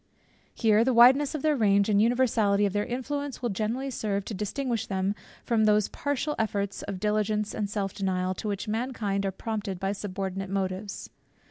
Here the wideness of their range and the universality of their influence, will generally serve to distinguish them from those partial efforts of diligence and self denial, to which mankind are prompted by subordinate motives.